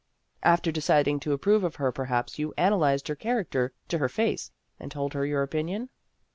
" After deciding to approve of her, per haps you analyzed her character to her face, and told her your opinion